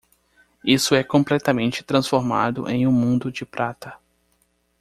Isso é completamente transformado em um mundo de prata.